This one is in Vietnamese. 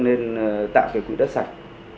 nên tạo cái quỹ đất sạch